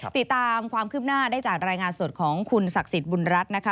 ติดตามความคืบหน้าได้จากรายงานสดของคุณศักดิ์สิทธิบุญรัฐนะคะ